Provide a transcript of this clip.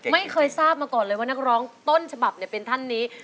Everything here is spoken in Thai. ไม่เคยทราบมาก่อนเลยว่านักร้องต้นฉบับเป็นท่านนี้